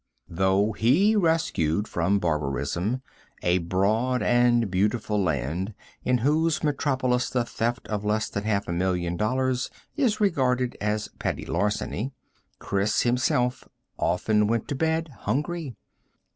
Though he rescued from barbarism a broad and beautiful land in whose metropolis the theft of less than half a million of dollars is regarded as petty larceny, Chris himself often went to bed hungry.